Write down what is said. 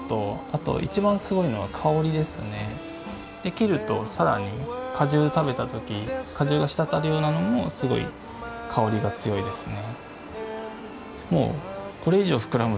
切ると更に果汁食べた時果汁がしたたるようなのもすごい香りが強いですね。